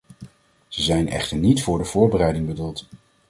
Ze zijn echter niet voor de voorbereiding bedoeld.